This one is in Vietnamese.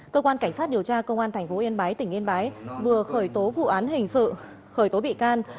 cơ quan cảnh sát điều tra công an tp yên bái tỉnh yên bái vừa khởi tố vụ án hình sự khởi tố bị can